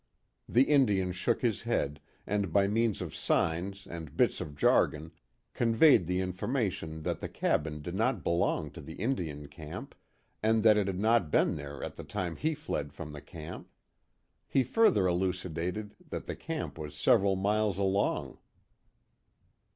The Indian shook his head, and by means of signs and bits of jargon, conveyed the information that the cabin did not belong to the Indian camp, and that it had not been there at the time he fled from the camp. He further elucidated that the camp was several miles along.